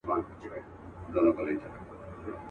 پلار یې شهید کړي د یتیم اختر په کاڼو ولي.